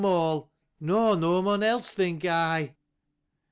Nor any one else — think I.